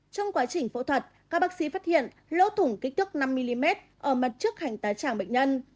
trong quá trình phẫu thuật các bác sĩ phát hiện lô thủng kích thước năm mm ở mặt trước hành tá tràng bệnh nhân